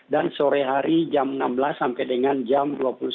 dan sore hari jam enam belas sampai dengan jam dua puluh satu